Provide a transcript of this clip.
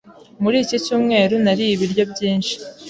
Muri iki cyumweru nariye ibiryo byinshi.